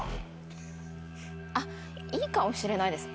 あっいいかもしれないです。